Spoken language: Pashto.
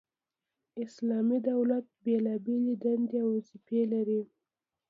اسلامي دولت بيلابېلي دندي او وظيفي لري،